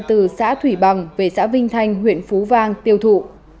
từ xã thủy bằng về xã vinh thanh huyện phú vang tiêu thụ